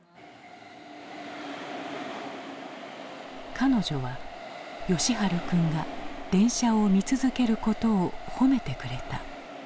彼女は喜春君が電車を見続けることを褒めてくれた。